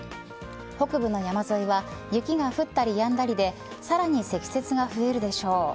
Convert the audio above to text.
北部の山沿いは雪が降ったり止んだりでさらに積雪が増えるでしょう。